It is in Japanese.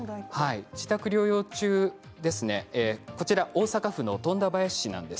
自宅療養中、こちらは大阪府の富田林市の場合です。